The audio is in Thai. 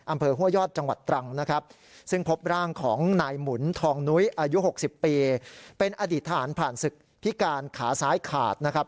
อำเภอห้วยยอดจังหวัดตรังนะครับซึ่งพบร่างของนายหมุนทองนุ้ยอายุ๖๐ปีเป็นอดีตทหารผ่านศึกพิการขาซ้ายขาดนะครับ